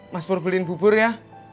mas pur beliin bubur ya